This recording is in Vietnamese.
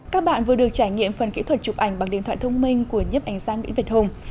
các bạn vừa được trải nghiệm phần kỹ thuật chụp ảnh bằng điện thoại thông minh của nhếp ảnh gia nguyễn việt hùng